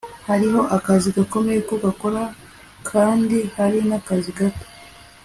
hariho akazi gakomeye ko gukora kandi hari n'akazi gato